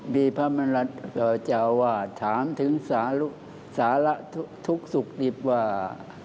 พี่พระมนุษย์เจ้าว่าถามถึงสาระทุกข์สุขดิบว่า